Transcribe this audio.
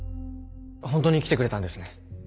本当に来てくれたんですね。